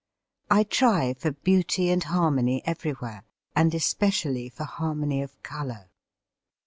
I try for beauty and harmony everywhere, and especially for harmony of colour.